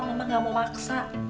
mama gak mau maksa